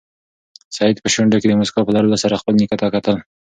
سعید په شونډو کې د موسکا په لرلو سره خپل نیکه ته کتل.